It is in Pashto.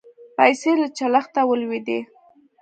پیسې له چلښته ولوېدې.